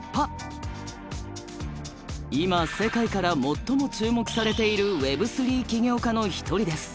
今世界から最も注目されているＷｅｂ３起業家の一人です。